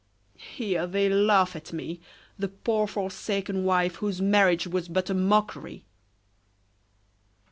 Here they laugh at me, the poor forsaken wife, whose marriage was but a mockery."